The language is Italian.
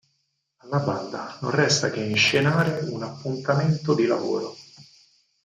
Alla banda non resta che inscenare un appuntamento di lavoro.